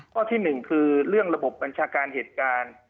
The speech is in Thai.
ก็ที่หนึ่งคือเรื่องระบบบรัญชาการเหตุการณ์